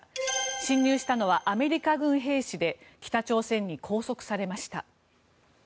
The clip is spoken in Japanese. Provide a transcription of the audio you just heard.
侵入したのはアメリカ軍兵士で北朝鮮に拘束されました。